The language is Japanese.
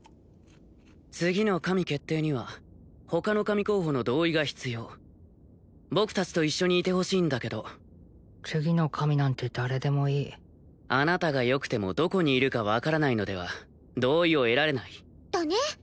次の神決定には他の神候補の同意が必要僕達と一緒にいてほしいんだけど次の神なんて誰でもいいあなたがよくてもどこにいるか分からないのでは同意を得られないだね